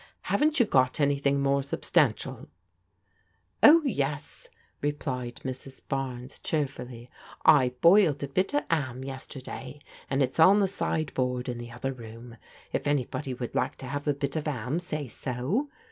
Haven't you got anything more substantial ?"" Oh, yes," replied Mrs. Barnes cheerfully, " I boiled a bit of 'am, yesterday, and it's on the sideboard in the other room. If anybody would like to have a bit of 'am, say so.